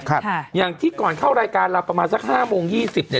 ค่ะอย่างที่ก่อนเข้ารายการเราประมาณสักห้าโมงยี่สิบเนี้ย